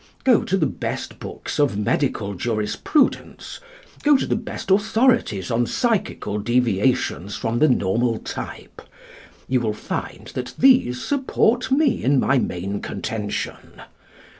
Go to the best books of medical jurisprudence, go to the best authorities on psychical deviations from the normal type. You will find that these support me in my main contention.